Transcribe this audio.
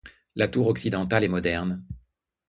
La tour occidentale est moderne.